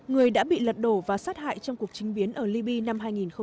người đã bị lật đổ và sát hại trong cuộc chính biến ở libby năm hai nghìn một mươi một